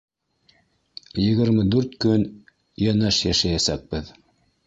Егерме дүрт көн йәнәш йәшәйәсәкбеҙ.